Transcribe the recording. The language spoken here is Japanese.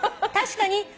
「確かに」